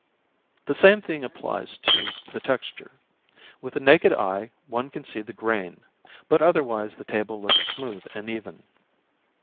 The same thing applies to the texture. With the naked eye one can see the grain, but otherwise the table looks smooth and even.